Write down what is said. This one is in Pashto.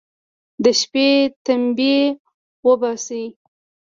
د شپې تمبې اوباسي.